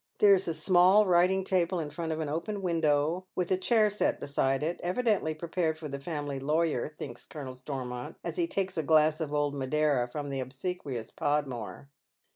There is a small writing table in front of an open window, with a chair set beside it, evidently prepared for the family lawyer, thinks Colonel Stormont, a8 he takes a glass of old Madeira from the obsequious Podmore.